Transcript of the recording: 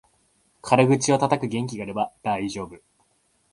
軽口をたたく元気があれば大丈夫